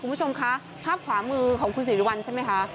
คุณผู้ชมคะภาพขวามือของคุณสิริวัลใช่ไหมคะ